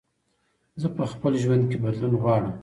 زه په خپل ژوند کې بدلون غواړم.